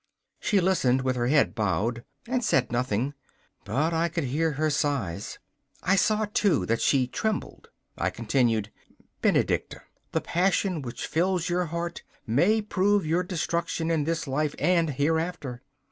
She listened with her head bowed, and said nothing, but I could hear her sighs. I saw, too, that she trembled. I continued: 'Benedicta, the passion which fills your heart may prove your destruction in this life and hereafter.